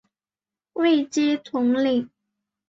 位阶统领。